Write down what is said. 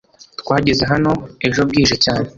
Twageze hano ejo bwije cyane.